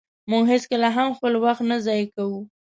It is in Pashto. مونږ هيڅکله هم خپل وخت نه ضایع کوو.